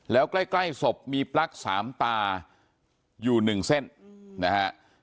แล้วใกล้ศพมีปลั๊กสามตาอยู่๑เส้นนะฮะ